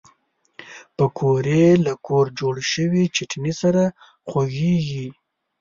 پکورې له کور جوړ شوي چټني سره خوږېږي